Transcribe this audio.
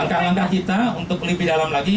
langkah langkah kita untuk lebih dalam lagi